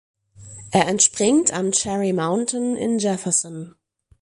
Er entspringt am Cherry Mountain in Jefferson.